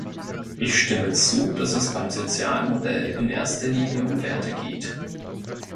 Ich stimme zu, dass es beim Sozialmodell in erster Linie um Werte geht.